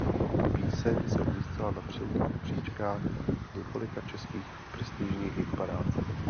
Píseň se umístila na předních příčkách několika českých prestižních hitparád.